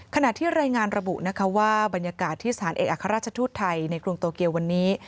ขณะที่รายงานระบุนะคะว่าบรรยากาศที่สถานเอกอัครราชทูตไทยในกรุงโตเกียววันนี้